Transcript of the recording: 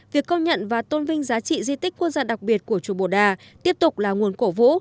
việc công nhận và tôn vinh giá trị di tích quốc gia đặc biệt của chùa bồ đà tiếp tục là nguồn cổ vũ